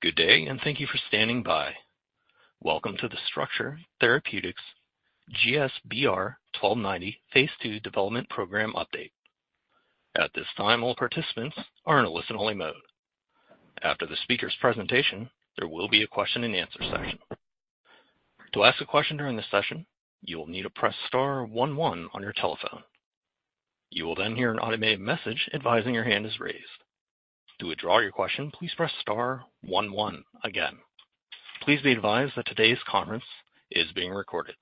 Good day, and thank you for standing by. Welcome to the Structure Therapeutics GSBR-1290 Phase II Development Program update. At this time, all participants are in a listen-only mode. After the speaker's presentation, there will be a question-and-answer session. To ask a question during this session, you will need to press star one one on your telephone. You will then hear an automated message advising your hand is raised. To withdraw your question, please press star one one again. Please be advised that today's conference is being recorded.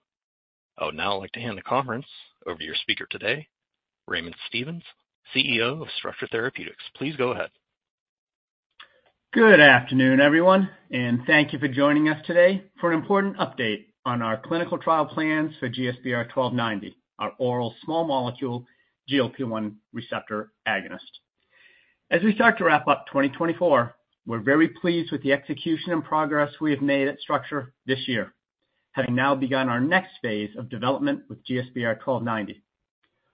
I would now like to hand the conference over to your speaker today, Raymond Stevens, CEO of Structure Therapeutics. Please go ahead. Good afternoon, everyone, and thank you for joining us today for an important update on our clinical trial plans for GSBR-1290, our oral small molecule GLP-1 receptor agonist. As we start to wrap up 2024, we're very pleased with the execution and progress we have made at Structure this year, having now begun our next phase of development with GSBR-1290.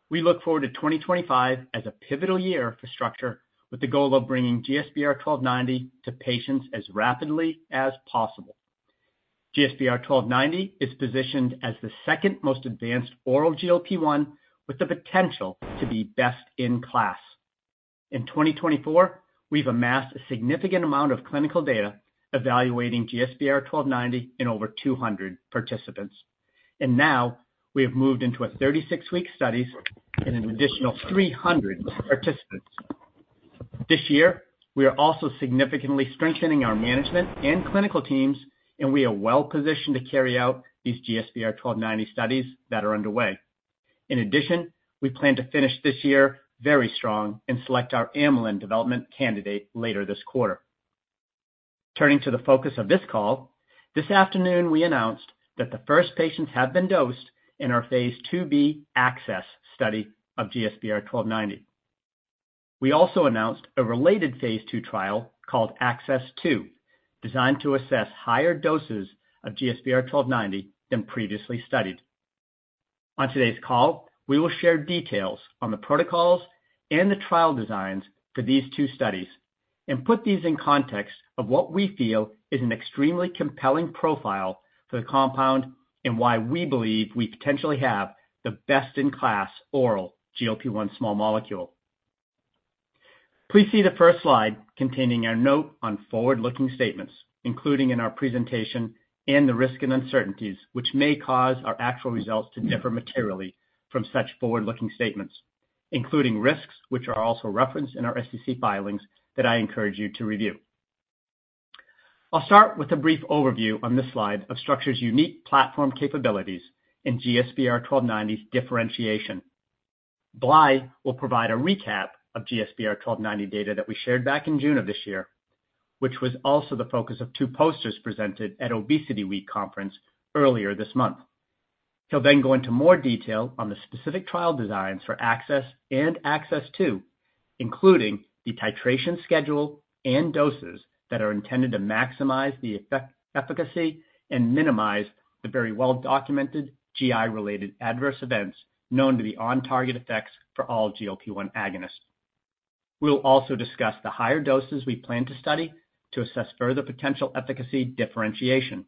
We look forward to 2025 as a pivotal year for Structure with the goal of bringing GSBR-1290 to patients as rapidly as possible. GSBR-1290 is positioned as the second most advanced oral GLP-1, with the potential to be best in class. In 2024, we've amassed a significant amount of clinical data evaluating GSBR-1290 in over 200 participants, and now we have moved into a 36-week study and an additional 300 participants. This year, we are also significantly strengthening our management and clinical teams, and we are well positioned to carry out these GSBR-1290 studies that are underway. In addition, we plan to finish this year very strong and select our amylin development candidate later this quarter. Turning to the focus of this call, this afternoon we announced that the first patients have been dosed in our phase IIb ACCESS study of GSBR-1290. We also announced a related phase II trial called ACCESS 2, designed to assess higher doses of GSBR-1290 than previously studied. On today's call, we will share details on the protocols and the trial designs for these two studies and put these in context of what we feel is an extremely compelling profile for the compound and why we believe we potentially have the best-in-class oral GLP-1 small molecule. Please see the first slide containing our note on forward-looking statements, including in our presentation and the risks and uncertainties which may cause our actual results to differ materially from such forward-looking statements, including risks which are also referenced in our SEC filings that I encourage you to review. I'll start with a brief overview on this slide of Structure's unique platform capabilities and GSBR-1290's differentiation. Blai will provide a recap of GSBR-1290 data that we shared back in June of this year, which was also the focus of two posters presented at ObesityWeek conference earlier this month. He'll then go into more detail on the specific trial designs for ACCESS and ACCESS 2, including the titration schedule and doses that are intended to maximize the efficacy and minimize the very well-documented GI-related adverse events known to be on-target effects for all GLP-1 agonists. We'll also discuss the higher doses we plan to study to assess further potential efficacy differentiation.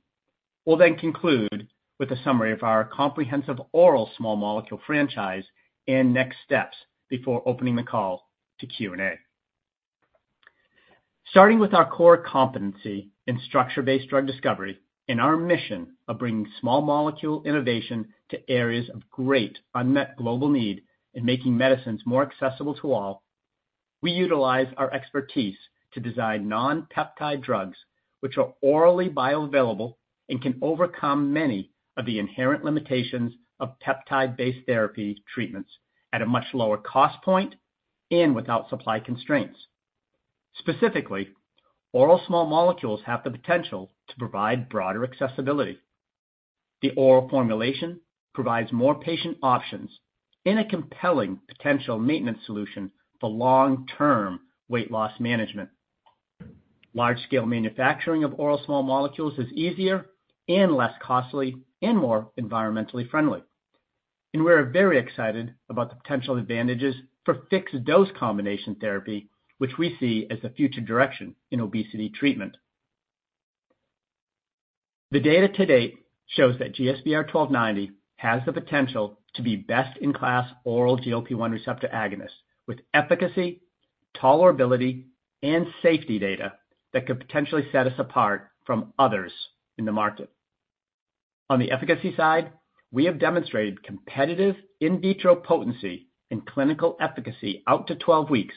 We'll then conclude with a summary of our comprehensive oral small molecule franchise and next steps before opening the call to Q&A. Starting with our core competency in structure-based drug discovery and our mission of bringing small molecule innovation to areas of great unmet global need and making medicines more ACCESSible to all, we utilize our expertise to design non-peptide drugs which are orally bioavailable and can overcome many of the inherent limitations of peptide-based therapy treatments at a much lower cost point and without supply constraints. Specifically, oral small molecules have the potential to provide broader ACCESSibility. The oral formulation provides more patient options and a compelling potential maintenance solution for long-term weight loss management. Large-scale manufacturing of oral small molecules is easier and less costly and more environmentally friendly, and we're very excited about the potential advantages for fixed dose combination therapy, which we see as the future direction in obesity treatment. The data to date shows that GSBR-1290 has the potential to be best-in-class oral GLP-1 receptor agonist with efficacy, tolerability, and safety data that could potentially set us apart from others in the market. On the efficacy side, we have demonstrated competitive in vitro potency and clinical efficacy out to 12 weeks,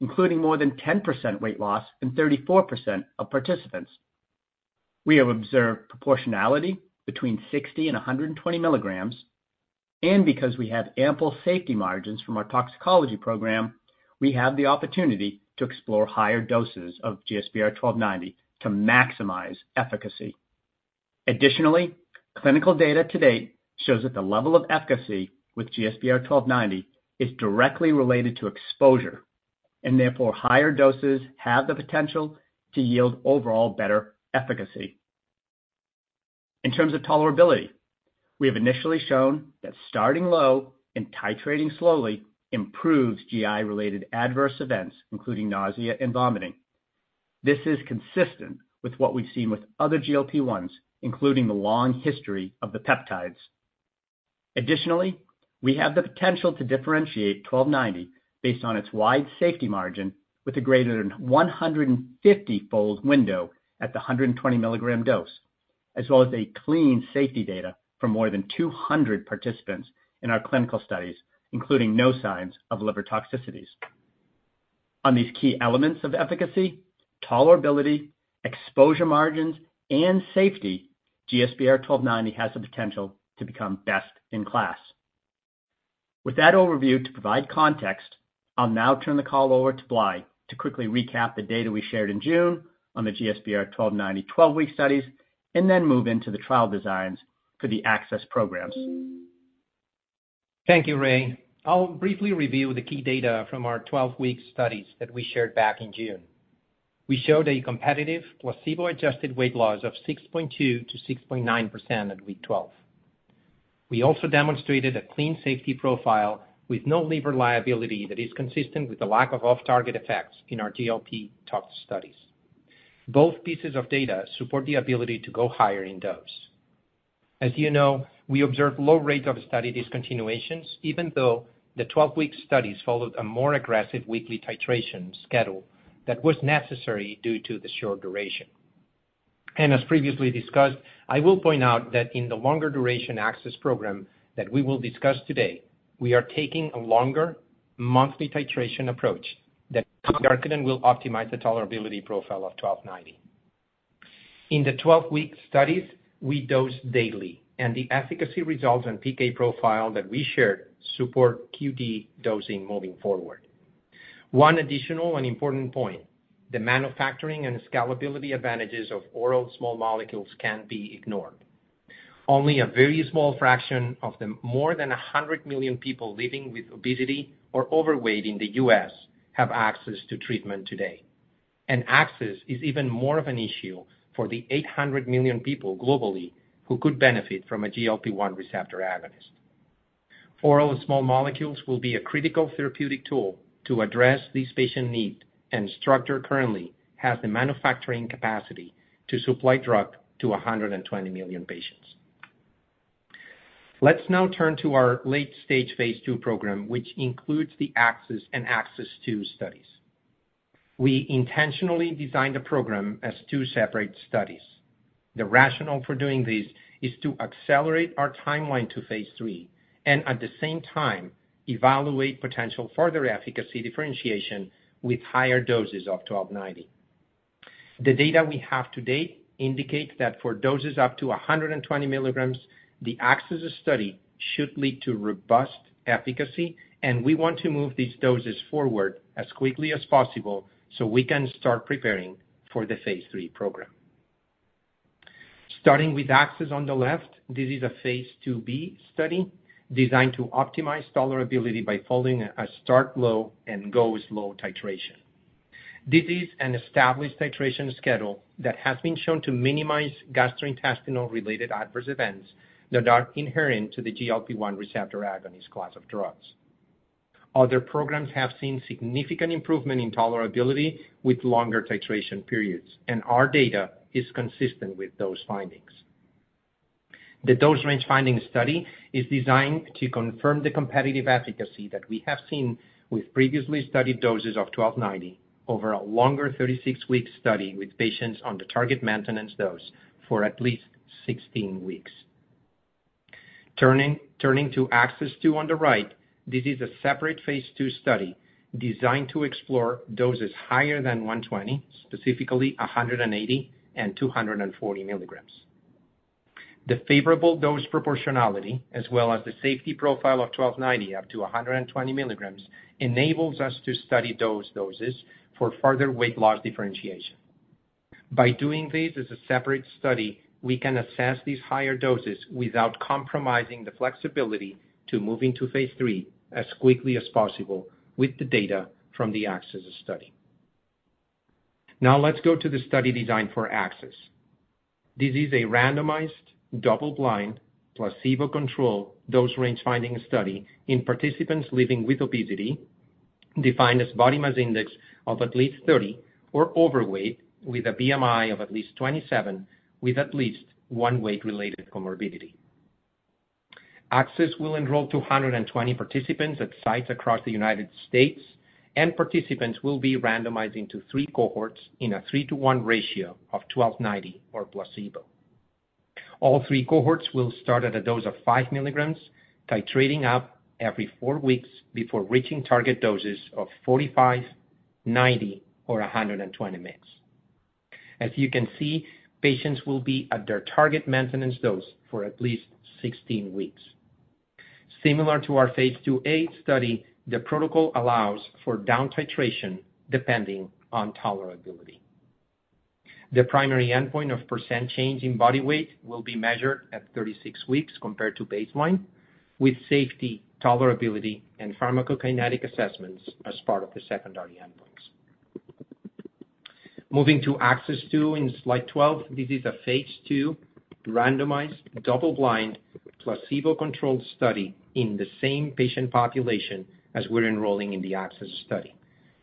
including more than 10% weight loss in 34% of participants. We have observed proportionality between 60 and 120 mg, and because we have ample safety margins from our toxicology program, we have the opportunity to explore higher doses of GSBR-1290 to maximize efficacy. Additionally, clinical data to date shows that the level of efficacy with GSBR-1290 is directly related to exposure, and therefore higher doses have the potential to yield overall better efficacy. In terms of tolerability, we have initially shown that starting low and titrating slowly improves GI-related adverse events, including nausea and vomiting. This is consistent with what we've seen with other GLP-1s, including the long history of the peptides. Additionally, we have the potential to differentiate 1290 based on its wide safety margin with a greater than 150-fold window at the 120 mg dose, as well as clean safety data from more than 200 participants in our clinical studies, including no signs of liver toxicities. On these key elements of efficacy, tolerability, exposure margins, and safety, GSBR-1290 has the potential to become best in class. With that overview to provide context, I'll now turn the call over to Blai to quickly recap the data we shared in June on the GSBR-1290 12-week studies and then move into the trial designs for the ACCESS programs. Thank you, Raymond. I'll briefly review the key data from our 12-week studies that we shared back in June. We showed a competitive placebo-adjusted weight loss of 6.2%-6.9% at week 12. We also demonstrated a clean safety profile with no liver liability that is consistent with the lack of off-target effects in our GLP tox studies. Both pieces of data support the ability to go higher in dose. As you know, we observed low rates of study discontinuations, even though the 12-week studies followed a more aggressive weekly titration schedule that was necessary due to the short duration. As previously discussed, I will point out that in the longer duration ACCESS program that we will discuss today, we are taking a longer monthly titration approach that will optimize the tolerability profile of 1290. In the 12-week studies, we dose daily, and the efficacy results and PK profile that we shared support QD dosing moving forward. One additional and important point: the manufacturing and scalability advantages of oral small molecules can't be ignored. Only a very small fraction of the more than 100 million people living with obesity or overweight in the U.S. have ACCESS to treatment today, and ACCESS is even more of an issue for the 800 million people globally who could benefit from a GLP-1 receptor agonist. Oral small molecules will be a critical therapeutic tool to address these patient needs, and Structure currently has the manufacturing capacity to supply drug to 120 million patients. Let's now turn to our late-stage phase II program, which includes the ACCESS and ACCESS 2 studies. We intentionally designed the program as two separate studies. The rationale for doing this is to accelerate our timeline to phase III and, at the same time, evaluate potential further efficacy differentiation with higher doses of 1290. The data we have to date indicates that for doses up to 120 mg, the ACCESS study should lead to robust efficacy, and we want to move these doses forward as quickly as possible so we can start preparing for the phase III program. Starting with ACCESS on the left, this is a phase 2b study designed to optimize tolerability by following a start low and go slow titration. This is an established titration schedule that has been shown to minimize gastrointestinal-related adverse events that are inherent to the GLP-1 receptor agonist class of drugs. Other programs have seen significant improvement in tolerability with longer titration periods, and our data is consistent with those findings. The dose range finding study is designed to confirm the competitive efficacy that we have seen with previously studied doses of 1290 over a longer 36-week study with patients on the target maintenance dose for at least 16 weeks. Turning to ACCESS 2 on the right, this is a separate phase II study designed to explore doses higher than 120, specifically 180 and 240 mg. The favorable dose proportionality, as well as the safety profile of 1290 up to 120 mg, enables us to study those doses for further weight loss differentiation. By doing this as a separate study, we can assess these higher doses without compromising the flexibility to move into phase III as quickly as possible with the data from the ACCESS study. Now let's go to the study designed for ACCESS. This is a randomized double-blind placebo-controlled dose range finding study in participants living with obesity defined as body mass index of at least 30 or overweight with a BMI of at least 27, with at least one weight-related comorbidity. ACCESS will enroll 220 participants at sites across the United States, and participants will be randomized into three cohorts in a 3:1 ratio of 1290 or placebo. All three cohorts will start at a dose of five milligrams, titrating up every four weeks before reaching target doses of 45, 90, or 120 mg. As you can see, patients will be at their target maintenance dose for at least 16 weeks. Similar to our phase IIA study, the protocol allows for down titration depending on tolerability. The primary endpoint of percent change in body weight will be measured at 36 weeks compared to baseline, with safety, tolerability, and pharmacokinetic assessments as part of the secondary endpoints. Moving to ACCESS 2 in Slide 12, this is a phase II randomized double-blind placebo-controlled study in the same patient population as we're enrolling in the ACCESS study,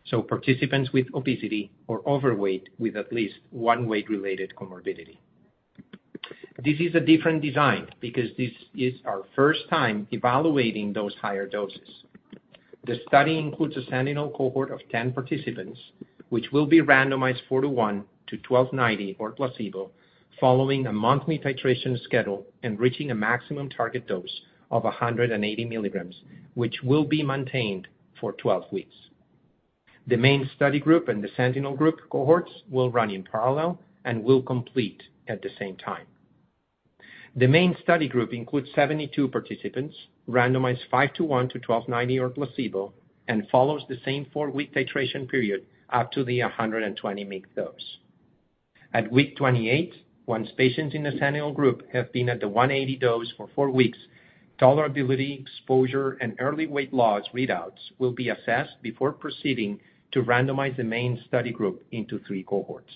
so participants with obesity or overweight with at least one weight-related comorbidity. This is a different design because this is our first time evaluating those higher doses. The study includes a sentinel cohort of 10 participants, which will be randomized 4:1 to 1290 or placebo following a monthly titration schedule and reaching a maximum target dose of 180 mg, which will be maintained for 12 weeks. The main study group and the sentinel group cohorts will run in parallel and will complete at the same time. The main study group includes 72 participants, randomized 5:1 to GSBR-1290 or placebo, and follows the same four-week titration period up to the 120 mg dose. At week 28, once patients in the sentinel group have been at the 180 dose for four weeks, tolerability, exposure, and early weight loss readouts will be assessed before proceeding to randomize the main study group into three cohorts.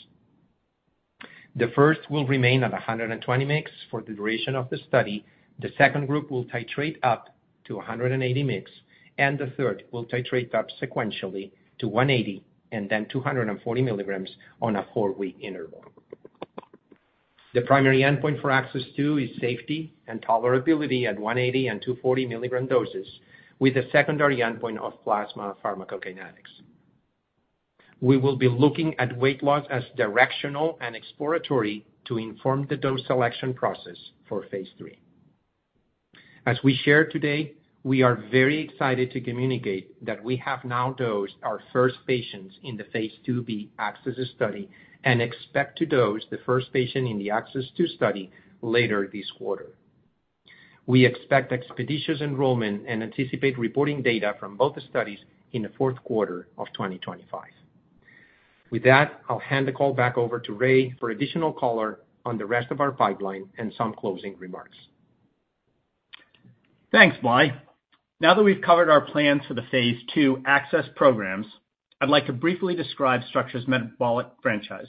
The first will remain at 120 mg for the duration of the study, the second group will titrate up to 180 mg, and the third will titrate up sequentially to 180 and then 240 mg on a four-week interval. The primary endpoint for ACCESS 2 is safety and tolerability at 180 and 240 mg doses, with a secondary endpoint of plasma pharmacokinetics. We will be looking at weight loss as directional and exploratory to inform the dose selection process for phase III. As we shared today, we are very excited to communicate that we have now dosed our first patients in the phase IIb ACCESS study and expect to dose the first patient in the ACCESS 2 study later this quarter. We expect expeditious enrollment and anticipate reporting data from both studies in the fourth quarter of 2025. With that, I'll hand the call back over to Ray for additional color on the rest of our pipeline and some closing remarks. Thanks, Blai. Now that we've covered our plans for the phase II ACCESS programs, I'd like to briefly describe Structure's metabolic franchise.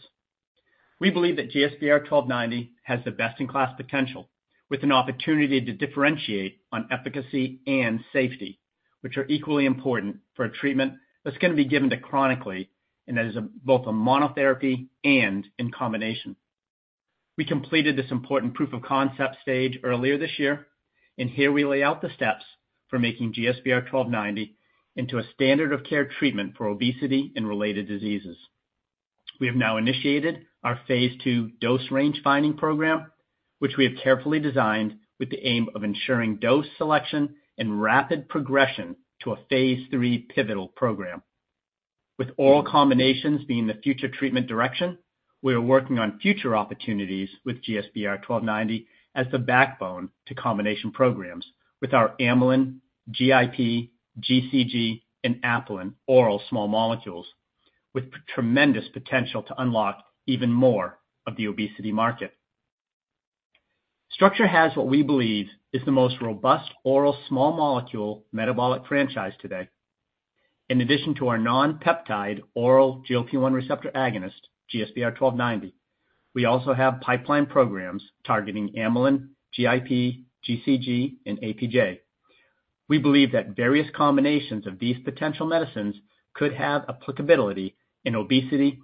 We believe that GSBR-1290 has the best-in-class potential with an opportunity to differentiate on efficacy and safety, which are equally important for a treatment that's going to be given chronically and that is both a monotherapy and in combination. We completed this important proof of concept stage earlier this year, and here we lay out the steps for making GSBR-1290 into a standard of care treatment for obesity and related diseases. We have now initiated our phase II dose range finding program, which we have carefully designed with the aim of ensuring dose selection and rapid progression to a phase III pivotal program. With oral combinations being the future treatment direction, we are working on future opportunities with GSBR-1290 as the backbone to combination programs with our amylin, GIP, GCG, and apelin oral small molecules, with tremendous potential to unlock even more of the obesity market. Structure has what we believe is the most robust oral small molecule metabolic franchise today. In addition to our non-peptide oral GLP-1 receptor agonist, GSBR-1290, we also have pipeline programs targeting amylin, GIP, GCG, and APJ. We believe that various combinations of these potential medicines could have applicability in obesity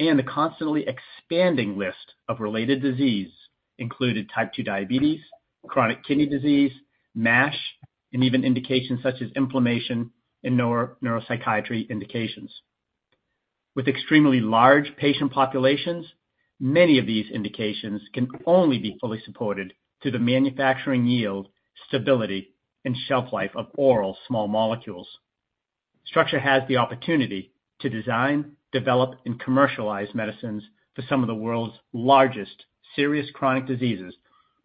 and the constantly expanding list of related diseases, including Type 2 diabetes, chronic kidney disease, MASH, and even indications such as inflammation and neuropsychiatry indications. With extremely large patient populations, many of these indications can only be fully supported through the manufacturing yield, stability, and shelf life of oral small molecules. Structure has the opportunity to design, develop, and commercialize medicines for some of the world's largest serious chronic diseases,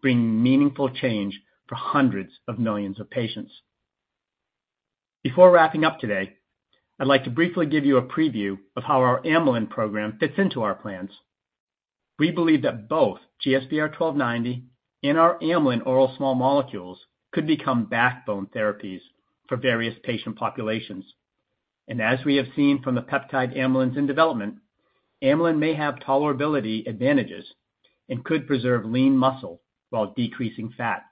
bringing meaningful change for hundreds of millions of patients. Before wrapping up today, I'd like to briefly give you a preview of how our amylin program fits into our plans. We believe that both GSBR-1290 and our amylin oral small molecules could become backbone therapies for various patient populations. And as we have seen from the peptide amylins in development, amylin may have tolerability advantages and could preserve lean muscle while decreasing fat.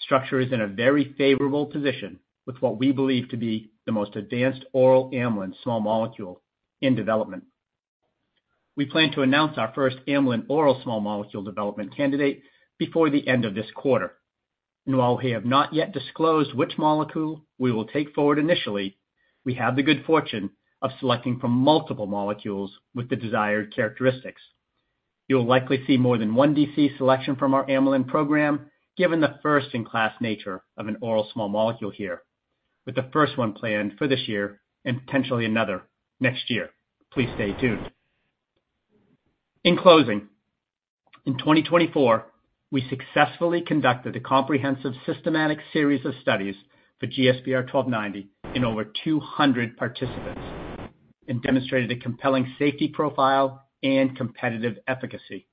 Structure is in a very favorable position with what we believe to be the most advanced oral amylin small molecule in development. We plan to announce our first amylin oral small molecule development candidate before the end of this quarter. While we have not yet disclosed which molecule we will take forward initially, we have the good fortune of selecting from multiple molecules with the desired characteristics. You'll likely see more than one DC selection from our amylin program, given the first-in-class nature of an oral small molecule here, with the first one planned for this year and potentially another next year. Please stay tuned. In closing, in 2024, we successfully conducted a comprehensive systematic series of studies for GSBR-1290 in over 200 participants and demonstrated a compelling safety profile and competitive efficacy.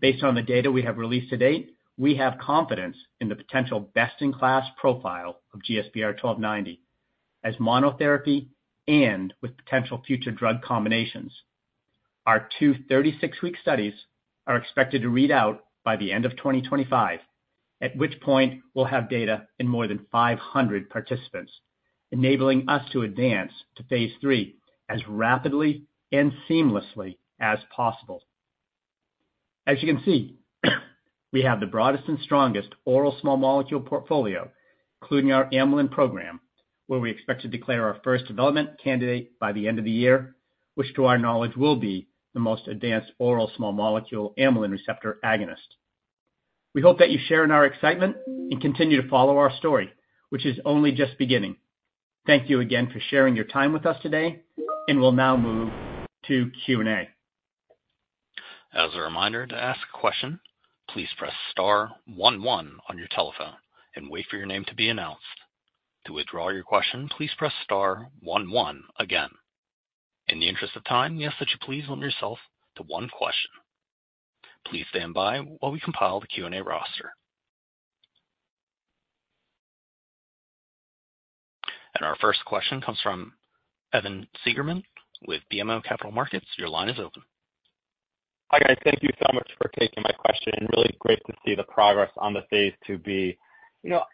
Based on the data we have released to date, we have confidence in the potential best-in-class profile of GSBR-1290 as monotherapy and with potential future drug combinations. Our two 36-week studies are expected to read out by the end of 2025, at which point we'll have data in more than 500 participants, enabling us to advance to phase III as rapidly and seamlessly as possible. As you can see, we have the broadest and strongest oral small molecule portfolio, including our amylin program, where we expect to declare our first development candidate by the end of the year, which to our knowledge will be the most advanced oral small molecule amylin receptor agonist. We hope that you share in our excitement and continue to follow our story, which is only just beginning. Thank you again for sharing your time with us today, and we'll now move to Q&A. As a reminder to ask a question, please press star one one on your telephone and wait for your name to be announced. To withdraw your question, please press star one one again. In the interest of time, we ask that you please limit yourself to one question. Please stand by while we compile the Q&A roster. And our first question comes from Evan Seigerman with BMO Capital Markets. Your line is open. Hi, guys. Thank you so much for taking my question. Really great to see the progress on the phase IIb.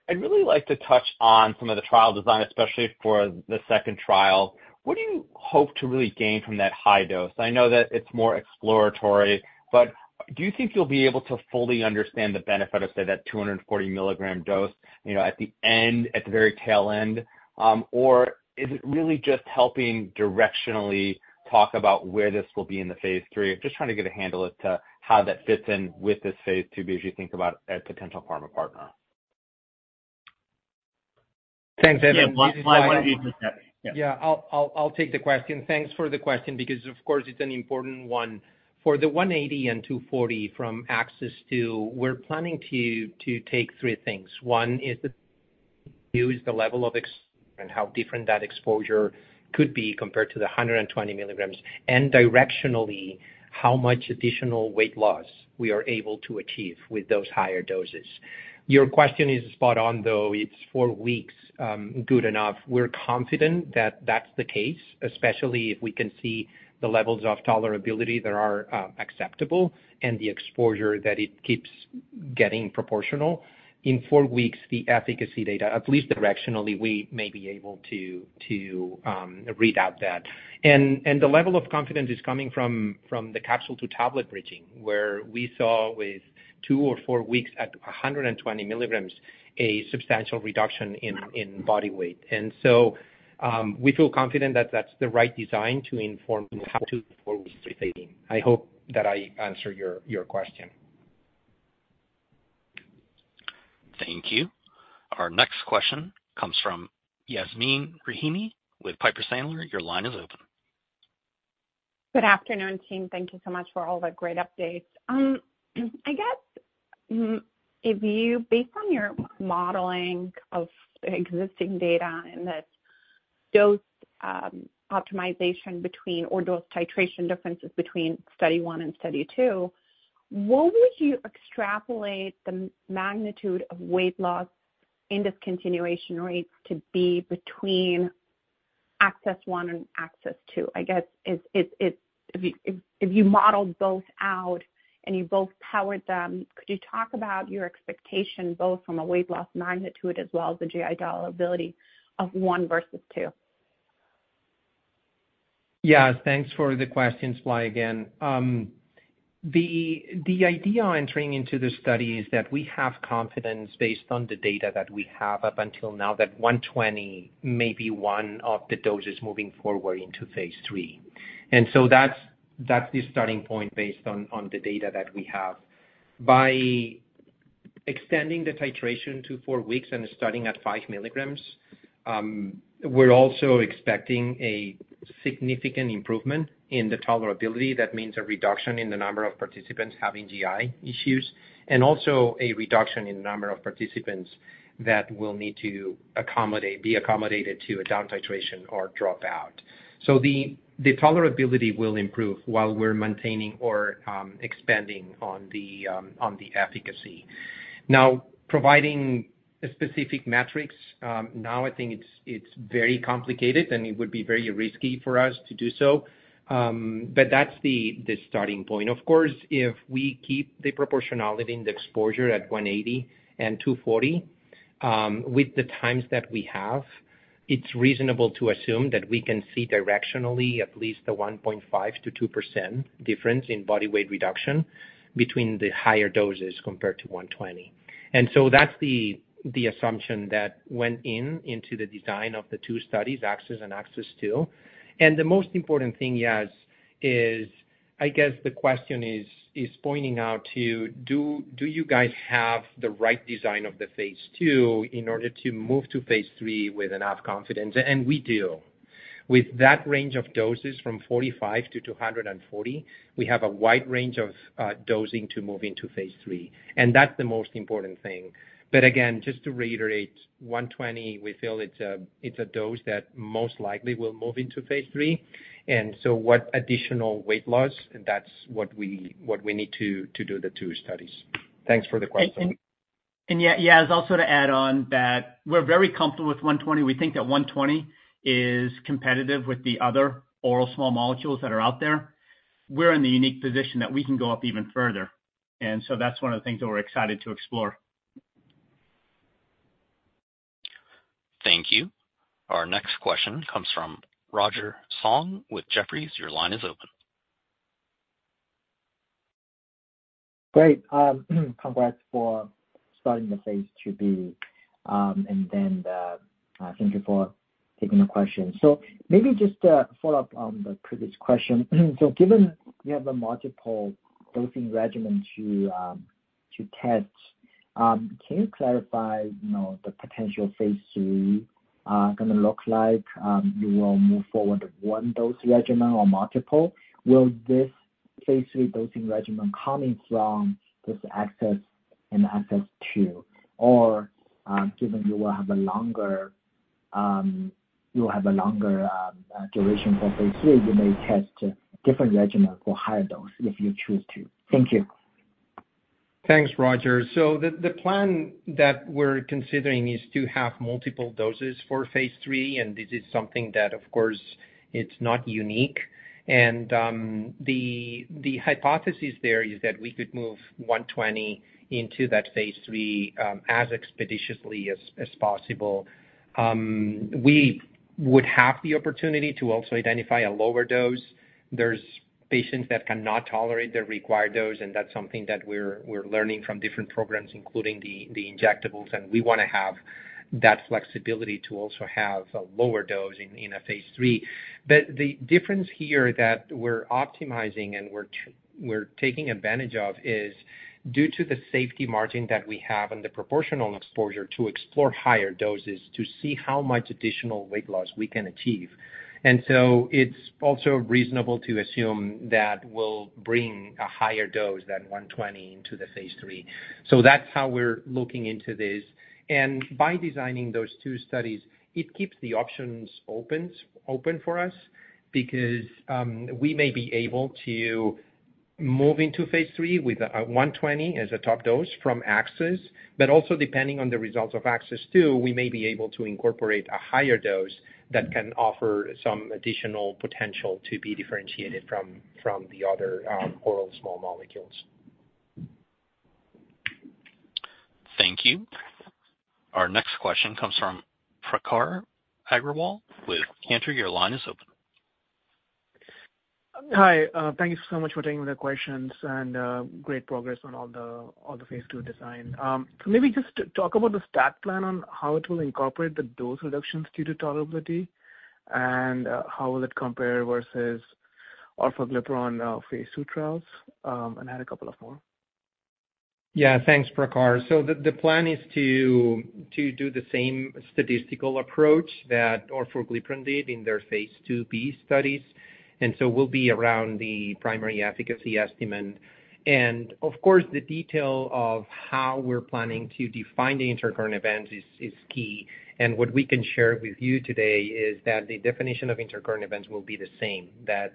I'd really like to touch on some of the trial design, especially for the second trial. What do you hope to really gain from that high dose? I know that it's more exploratory, but do you think you'll be able to fully understand the benefit of, say, that 240 mg dose at the very tail end? Or is it really just helping directionally talk about where this will be in the phase III? I'm just trying to get a handle as to how that fits in with this phase IIb as you think about a potential pharma partner. Thanks, Evan. Yeah, I'll take the question. Thanks for the question because, of course, it's an important one. For the 180 and 240 from ACCESS 2, we're planning to take three things. One is to use the level of exposure and how different that exposure could be compared to the 120 mg, and directionally, how much additional weight loss we are able to achieve with those higher doses. Your question is spot on, though. It's four weeks, good enough. We're confident that that's the case, especially if we can see the levels of tolerability that are acceptable and the exposure that it keeps getting proportional. In four weeks, the efficacy data, at least directionally, we may be able to read out that, and the level of confidence is coming from the capsule-to-tablet bridging, where we saw with two or four weeks at 120 mg a substantial reduction in body weight. We feel confident that that's the right design to inform how to move forward with phase III. I hope that I answered your question. Thank you. Our next question comes from Yasmeen Rahimi with Piper Sandler. Your line is open. Good afternoon, team. Thank you so much for all the great updates. I guess, based on your modeling of existing data and this dose optimization or dose titration differences between study one and study two, what would you extrapolate the magnitude of weight loss in discontinuation rates to be between ACCESS 1 and ACCESS 2? I guess if you modeled both out and you both powered them, could you talk about your expectation both from a weight loss magnitude as well as the GI tolerability of one versus two? Yeah, thanks for the questions, Blai again. The idea entering into the study is that we have confidence based on the data that we have up until now that 120 may be one of the doses moving forward into phase III, and so that's the starting point based on the data that we have. By extending the titration to four weeks and starting at five milligrams, we're also expecting a significant improvement in the tolerability. That means a reduction in the number of participants having GI issues and also a reduction in the number of participants that will need to be accommodated to a down titration or drop out, so the tolerability will improve while we're maintaining or expanding on the efficacy. Now, providing specific metrics, now I think it's very complicated, and it would be very risky for us to do so, but that's the starting point. Of course, if we keep the proportionality in the exposure at 180 and 240 with the times that we have, it's reasonable to assume that we can see directionally at least a 1.5 to 2% difference in body weight reduction between the higher doses compared to 120. And so that's the assumption that went into the design of the two studies, ACCESS and ACCESS 2. And the most important thing, yes, is I guess the question is pointing out to, do you guys have the right design of the phase II in order to move to phase III with enough confidence? And we do. With that range of doses from 45 to 240, we have a wide range of dosing to move into phase III. And that's the most important thing. But again, just to reiterate, 120, we feel it's a dose that most likely will move into phase III. And so what additional weight loss? That's what we need to do the two studies. Thanks for the question. And yes, also to add on that we're very comfortable with 120. We think that 120 is competitive with the other oral small molecules that are out there. We're in the unique position that we can go up even further. And so that's one of the things that we're excited to explore. Thank you. Our next question comes from Roger Song with Jefferies. Your line is open. Great. Congrats for starting the phase IIb. And then thank you for taking the question. So maybe just a follow-up on the previous question. So given you have a multiple dosing regimen to test, can you clarify the potential phase III going to look like? You will move forward to one dose regimen or multiple? Will this phase III dosing regimen coming from this ACCESS and ACCESS 2? Or given you will have a longer duration for phase III, you may test different regimens for higher dose if you choose to? Thank you. Thanks, Roger. So the plan that we're considering is to have multiple doses for phase III, and this is something that, of course, it's not unique. And the hypothesis there is that we could move 120 into that phase III as expeditiously as possible. We would have the opportunity to also identify a lower dose. There's patients that cannot tolerate the required dose, and that's something that we're learning from different programs, including the injectables. And we want to have that flexibility to also have a lower dose in a phase III. But the difference here that we're optimizing and we're taking advantage of is due to the safety margin that we have and the proportional exposure to explore higher doses to see how much additional weight loss we can achieve. And so it's also reasonable to assume that we'll bring a higher dose than 120 into the phase III. So that's how we're looking into this. And by designing those two studies, it keeps the options open for us because we may be able to move into Phase III with 120 as a top dose from ACCESS. But also, depending on the results of ACCESS 2, we may be able to incorporate a higher dose that can offer some additional potential to be differentiated from the other oral small molecules. Thank you. Our next question comes from Prakhar Agrawal with Cantor. Your line is open. Hi. Thanks so much for taking the questions and great progress on all the phase II design. Maybe just talk about the stat plan on how it will incorporate the dose reductions due to tolerability and how will it compare versus orforglipron phase II trials and add a couple of more. Yeah, thanks, Prakhar. So the plan is to do the same statistical approach that orforglipron did in their Phase IIb studies, and so we'll be around the primary efficacy estimate, and of course, the detail of how we're planning to define the intercurrent events is key, and what we can share with you today is that the definition of intercurrent events will be the same that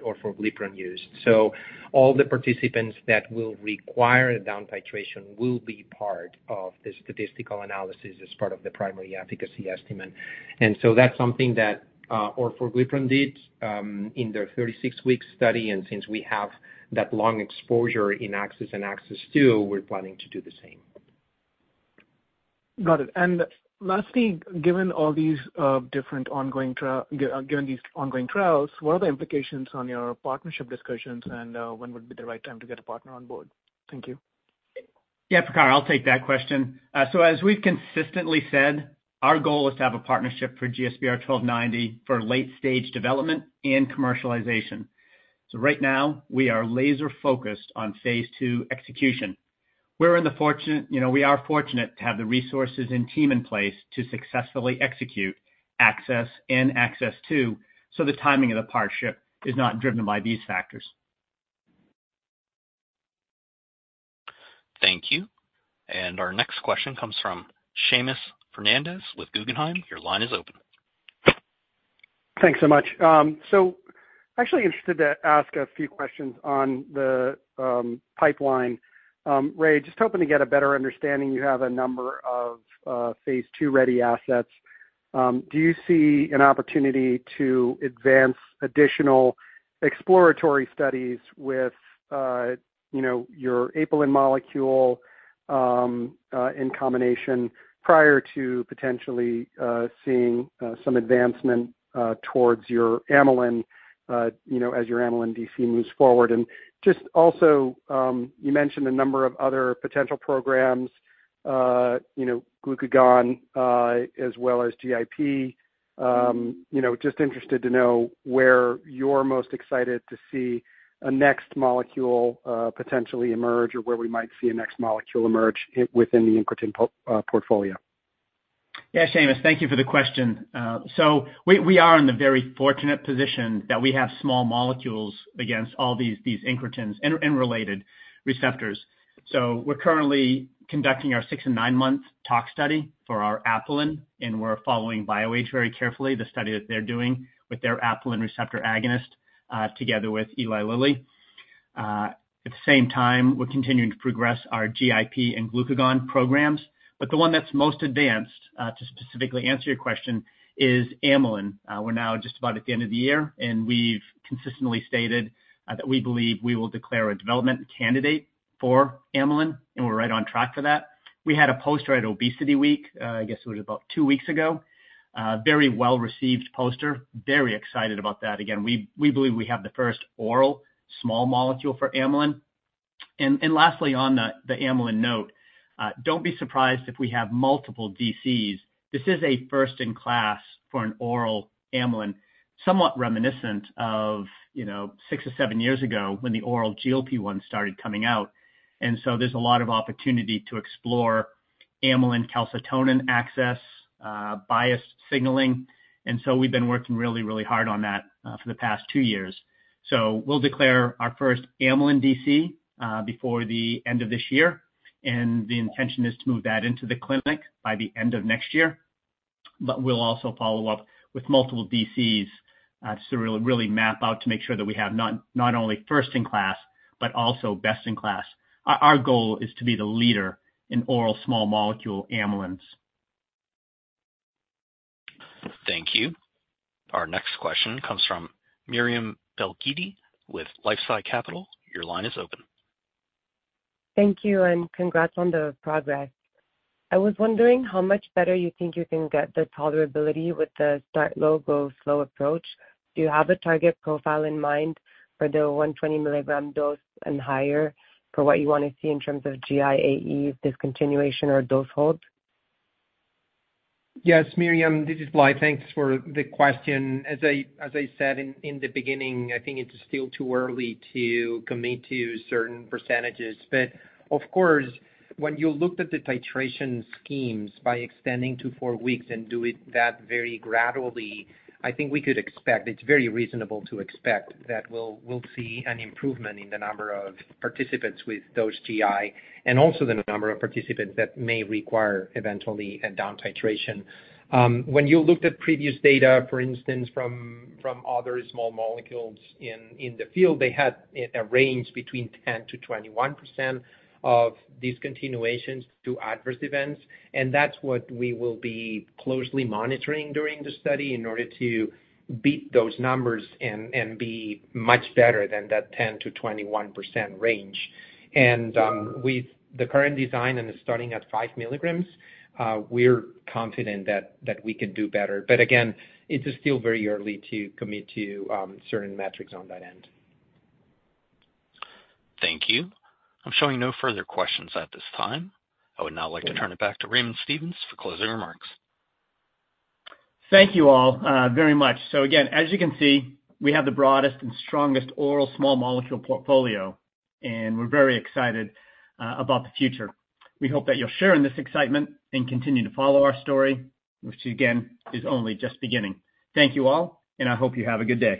orforglipron used, so all the participants that will require a down titration will be part of the statistical analysis as part of the primary efficacy estimate, and so that's something that orforglipron did in their 36-week study, and since we have that long exposure in ACCESS and ACCESS 2, we're planning to do the same. Got it. And lastly, given all these different ongoing trials, what are the implications on your partnership discussions, and when would be the right time to get a partner on board? Thank you. Yeah, Prakhar, I'll take that question. So as we've consistently said, our goal is to have a partnership for GSBR-1290 for late-stage development and commercialization. So right now, we are laser-focused on Phase II execution. We are fortunate to have the resources and team in place to successfully execute ACCESS and ACCESS 2 so the timing of the partnership is not driven by these factors. Thank you. And our next question comes from Seamus Fernandez with Guggenheim. Your line is open. Thanks so much. So actually interested to ask a few questions on the pipeline. Ray, just hoping to get a better understanding. You have a number of Phase II ready assets. Do you see an opportunity to advance additional exploratory studies with your apelin molecule in combination prior to potentially seeing some advancement towards your amylin as your amylin DC moves forward? And just also, you mentioned a number of other potential programs, glucagon as well as GIP. Just interested to know where you're most excited to see a next molecule potentially emerge or where we might see a next molecule emerge within the incretin portfolio. Yeah, Seamus, thank you for the question. So we are in the very fortunate position that we have small molecules against all these incretins and related receptors. So we're currently conducting our six and nine-month tox study for our apelin, and we're following BioAge very carefully, the study that they're doing with their apelin receptor agonist together with Eli Lilly. At the same time, we're continuing to progress our GIP and glucagon programs. But the one that's most advanced, to specifically answer your question, is amylin. We're now just about at the end of the year, and we've consistently stated that we believe we will declare a development candidate for amylin, and we're right on track for that. We had a poster at ObesityWeek. I guess it was about two weeks ago. Very well-received poster. Very excited about that. Again, we believe we have the first oral small molecule for amylin. And lastly, on the amylin note, don't be surprised if we have multiple DCs. This is a first-in-class for an oral amylin, somewhat reminiscent of six or seven years ago when the oral GLP-1 started coming out. And so there's a lot of opportunity to explore amylin calcitonin axis, biased signaling. And so we've been working really, really hard on that for the past two years. So we'll declare our first amylin DC before the end of this year. And the intention is to move that into the clinic by the end of next year. But we'll also follow up with multiple DCs to really map out to make sure that we have not only first-in-class, but also best-in-class. Our goal is to be the leader in oral small molecule amylins. Thank you. Our next question comes from Myriam Belghiti with LifeSci Capital. Your line is open. Thank you, and congrats on the progress. I was wondering how much better you think you can get the tolerability with the start-low, go-slow approach. Do you have a target profile in mind for the 120 mg dose and higher for what you want to see in terms of GIAE discontinuation or dose hold? Yes, Myriam, this is Blai. Thanks for the question. As I said in the beginning, I think it's still too early to commit to certain percentages. But of course, when you looked at the titration schemes by extending to four weeks and doing that very gradually, I think we could expect it's very reasonable to expect that we'll see an improvement in the number of participants with those GI and also the number of participants that may require eventually a down titration. When you looked at previous data, for instance, from other small molecules in the field, they had a range between 10%-21% of discontinuations to adverse events. And that's what we will be closely monitoring during the study in order to beat those numbers and be much better than that 10%-21% range. And with the current design and starting at five milligrams, we're confident that we can do better. But again, it's still very early to commit to certain metrics on that end. Thank you. I'm showing no further questions at this time. I would now like to turn it back to Raymond Stevens for closing remarks. Thank you all very much. So again, as you can see, we have the broadest and strongest oral small molecule portfolio, and we're very excited about the future. We hope that you'll share in this excitement and continue to follow our story, which again is only just beginning. Thank you all, and I hope you have a good day.